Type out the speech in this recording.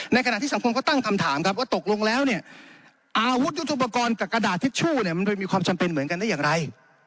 ขณะที่สังคมก็ตั้งคำถามครับว่าตกลงแล้วเนี่ยอาวุธยุทธุปกรณ์กับกระดาษทิชชู่เนี่ยมันมีความจำเป็นเหมือนกันได้อย่างไร